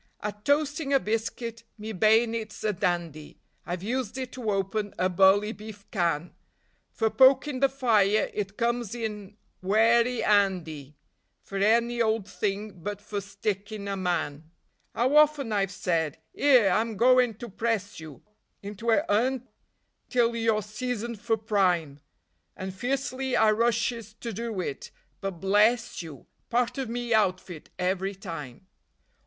At toasting a biscuit me bay'nit's a dandy; I've used it to open a bully beef can; For pokin' the fire it comes in werry 'andy; For any old thing but for stickin' a man. 'Ow often I've said: "'Ere, I'm goin' to press you Into a 'Un till you're seasoned for prime," And fiercely I rushes to do it, but bless you! Part of me outfit every time.